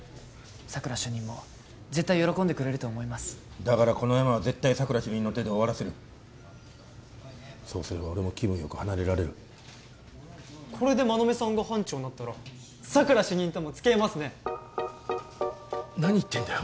佐久良主任も絶対喜んでくれると思いますだからこのヤマは絶対佐久良主任の手で終わらせるそうすれば俺も気分よく離れられるこれで馬目さんが班長になったら佐久良主任ともつきあえますね何言ってんだよ